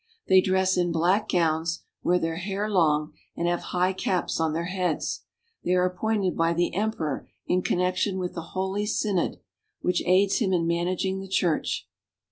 They dress in black gowns, wear their hair long, and have high caps on their heads. They are appointed by the emperor in connection with the Holy Synod, which aids him in managing the Church.